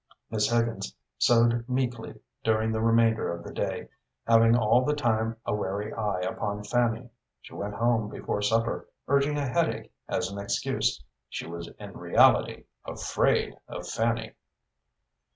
Miss Higgins sewed meekly during the remainder of the day, having all the time a wary eye upon Fanny. She went home before supper, urging a headache as an excuse. She was in reality afraid of Fanny.